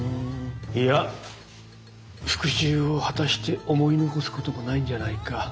いや復讐を果たして思い残すこともないんじゃないか。